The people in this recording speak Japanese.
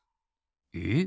えっ？